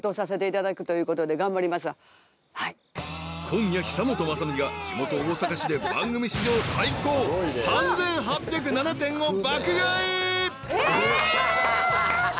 ［今夜久本雅美が地元大阪市で番組史上最高３，８０７点を爆買い］